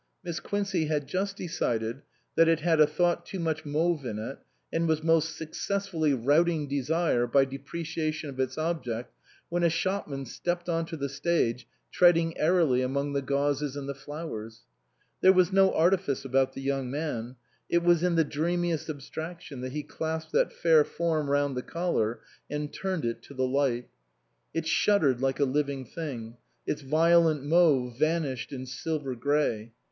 Miss Quincey had just decided that it had a thought too much mauve in it, and was most successfully routing desire by depreciation of its object when a shopman stepped on to the stage, treading airily among the gauzes and the flowers. There was no artifice about the young man ; it was in the dreamiest abstraction that he clasped that fair form round the collar and turned it to the light. It shuddered like a living thing ; its violent mauve vanished in silver grey.